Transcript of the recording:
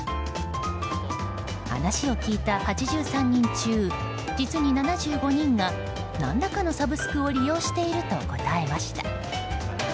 話を聞いた８３人中実に７５人が何らかのサブスクを利用していると答えました。